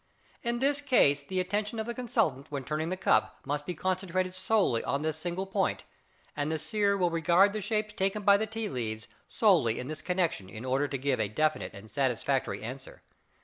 In this case the attention of the consultant when turning the cup must be concentrated solely on this single point, and the seer will regard the shapes taken by the tea leaves solely in this connection in order to give a definite and satisfactory answer.